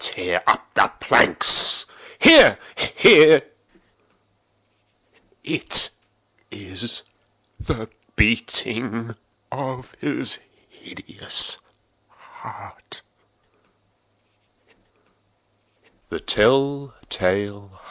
—tear up the planks!—here, here!—It is the beating of his hideous heart!"